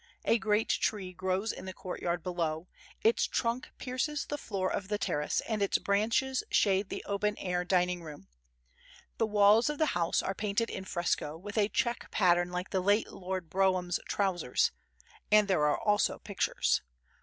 A great tree grows in the court yard below, its trunk pierces the floor of the terrace, and its branches shade the open air dining room. The walls of the house are painted in fresco, with a check pattern like the late Lord Brougham's trousers, and there are also pictures.